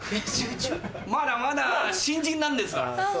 まだまだ新人なんですわ。